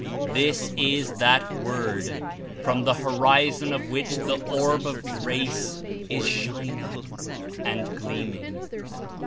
This Is that Word, from the horizon of which the Orb of Grace Is shining and gleaming!"